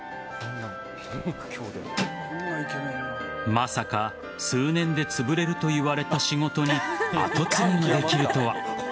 まさか、数年でつぶれるといわれた仕事に跡継ぎが。